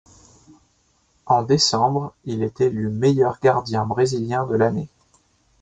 En décembre, il est élu meilleur gardien brésilien de l’année.